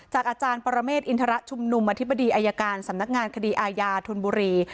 อาจารย์ปรเมฆอินทรชุมนุมอธิบดีอายการสำนักงานคดีอาญาธนบุรี